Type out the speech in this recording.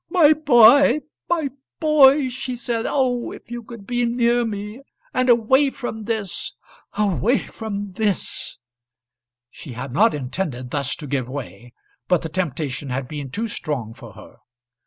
"My boy! my boy!" she said. "Oh, if you could be near me, and away from this away from this!" She had not intended thus to give way, but the temptation had been too strong for her.